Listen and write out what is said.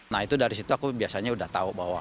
nah itu dari situ aku biasanya udah tau